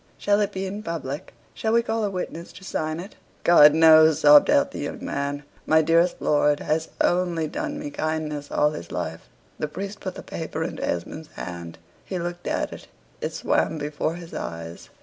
Shall it be in public? Shall we call a witness to sign it?" "God knows," sobbed out the young man, "my dearest lord has only done me kindness all his life." The priest put the paper into Esmond's hand. He looked at it. It swam before his eyes.